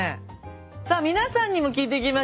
さあ皆さんにも聞いていきましょう。